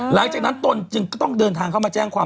หลังจากนั้นตนจึงก็ต้องเดินทางเขามาแจ้งความ